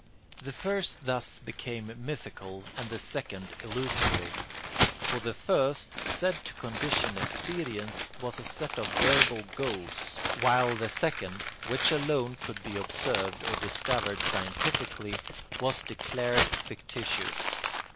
The first thus became mythical and the second illusory: for the first, said to condition experience, was a set of verbal ghosts, while the second, which alone could be observed or discovered scientifically, was declared fictitious.